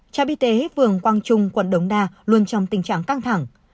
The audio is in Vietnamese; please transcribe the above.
cha bị tế vườn quang trung quận đống đa luôn trong tình trạng căng thẳng